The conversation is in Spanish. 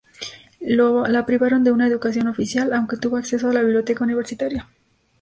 La privaron de una educación oficial, aunque tuvo acceso a la biblioteca universitaria.